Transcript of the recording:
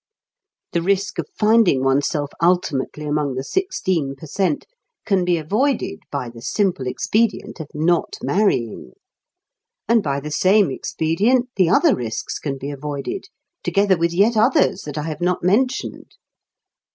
The risk of finding one's self ultimately among the sixteen per cent. can be avoided by the simple expedient of not marrying. And by the same expedient the other risks can be avoided, together with yet others that I have not mentioned.